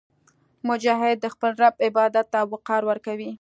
مجاهد د خپل رب عبادت ته وقار ورکوي.